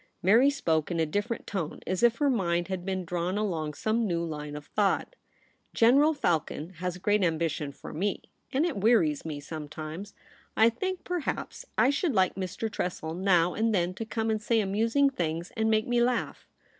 Mary spoke in a different tone, as if her mind had been drawn along some new line of thought. ' General Falcon has great ambition for me, and it wearies me sometimes. I think, per haps, I should like Mr. Tressel now and then to come and say amusing things and make me laugh.'